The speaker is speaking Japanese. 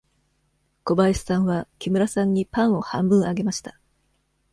小林さんは木村さんにパンを半分あげました。